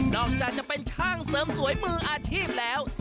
อกจากจะเป็นช่างเสริมสวยมืออาชีพแล้ว